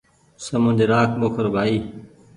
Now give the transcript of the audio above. سمجه رآک ٻوکر ڀآئي